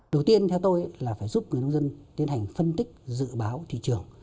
đầu tiên theo tôi là phải giúp người nông dân tiến hành phân tích dự báo thị trường